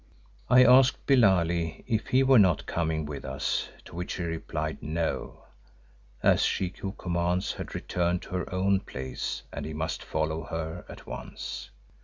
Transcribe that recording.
I asked Billali if he were not coming with us, to which he replied, No, as She who commands had returned to her own place and he must follow her at once.